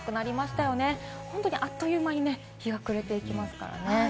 あっという間に日が暮れていきますからね。